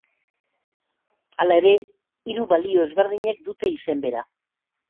Hala ere hiru balio ezberdinek dute izen bera.